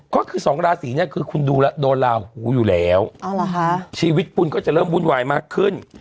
ก็คือสองราศีเนี่ยคือคุณดูแล้วโดนลาหูอยู่แล้วชีวิตคุณก็จะเริ่มวุ่นวายมากขึ้น